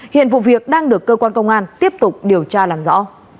hiện vụ việc đang được cơ quan công an tiếp tục điều tra làm rõ